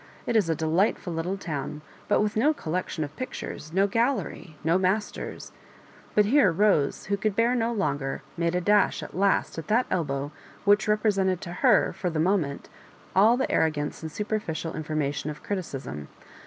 It is a delight* ful little town, but with no collection of pictures, no gallery, no masters " But here Bose, who could bear no longer, made a dash at last at that elbow which repre sented to her for the moment all the arrogance and superficial information of criticism.